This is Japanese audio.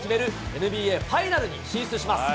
ＮＢＡファイナルに進出します。